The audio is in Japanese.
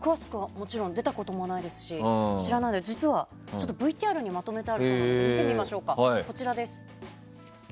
もちろん出たこともないですし知らないので、実はＶＴＲにまとめてあるそうなので見てみましょう、こちらです。